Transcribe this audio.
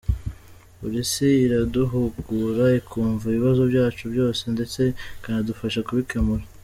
Polisi iraduhugura, ikumva ibibazo byacu byose ndetse ikanadufasha kubikemura.